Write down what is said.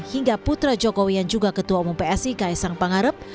hingga putra jokowi yang juga ketua umum psi kaisang pangarep